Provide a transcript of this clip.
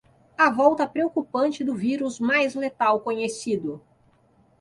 A volta preocupante do vírus mais letal conhecido